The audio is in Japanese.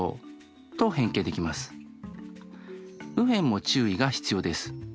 右辺も注意が必要です。